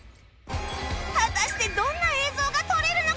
果たしてどんな映像が撮れるのか？